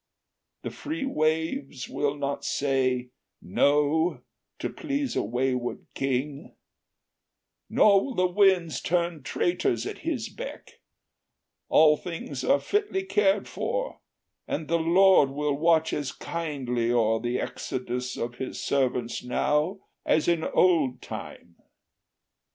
The free waves Will not say, No, to please a wayward king, Nor will the winds turn traitors at his beck: All things are fitly cared for, and the Lord Will watch as kindly o'er the exodus Of us his servants now, as in old time.